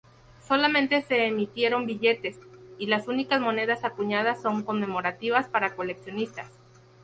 Solamente se emitieron billetes, y las únicas monedas acuñadas son conmemorativas para coleccionistas.